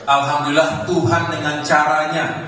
alhamdulillah tuhan dengan caranya